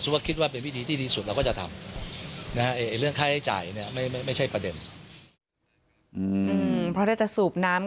อืมเพราะถ้าจะสูบน้ำ